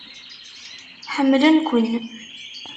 Ḥemmlen-ken.